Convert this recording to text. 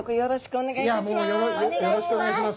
お願いします！